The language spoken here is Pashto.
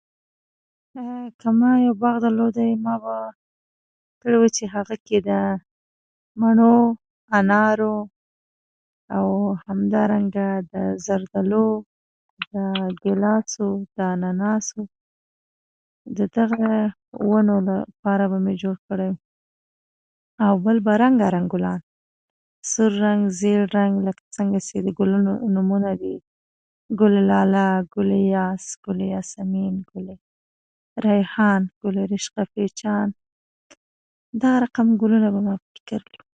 جوړ يي پخير يي